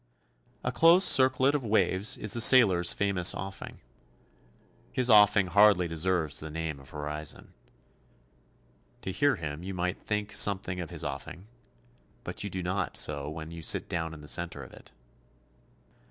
A close circlet of waves is the sailor's famous offing. His offing hardly deserves the name of horizon. To hear him you might think something of his offing, but you do not so when you sit down in the centre of it.